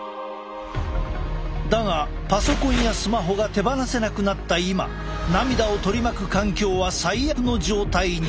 だがパソコンやスマホが手放せなくなった今涙を取り巻く環境は最悪の状態に。